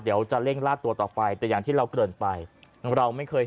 เดี๋ยวจะเร่งลาดตัวต่อไปแต่อย่างที่เราเกริ่นไปเราไม่เคย